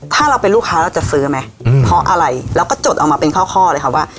ถ้าเราเป็นลูกค้าเราจะซื้อไหมเพราะอะไรเราก็จดออกมาเป็นข้อเลยค่ะว่า